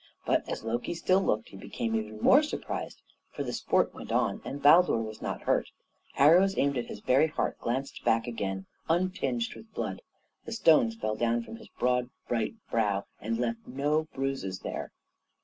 But as Loki still looked, he became even more surprised, for the sport went on, and Baldur was not hurt. Arrows aimed at his very heart glanced back again untinged with blood. The stones fell down from his broad, bright brow, and left no bruises there.